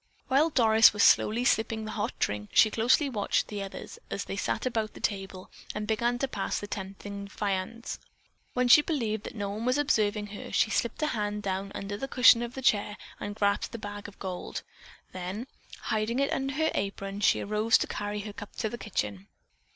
While Doris was slowly sipping the hot drink, she closely watched the others as they sat about the table and began to pass the tempting viands. When she believed that no one was observing her, she slipped a hand down under the cushion of the chair and grasped the bag of gold. Then, hiding it under her apron, she arose to carry her cup to the kitchen.